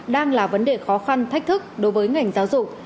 đang là vấn đề khó khăn thách thức đối với ngành giáo dục